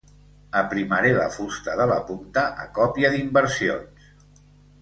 Aprimaré la fusta de la punta a còpia d'inversions.